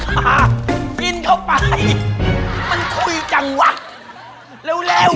ไปไปไปไปรถอยู่นี่เร็วเร็วเร็ว